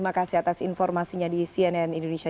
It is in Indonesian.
begitu mbak evi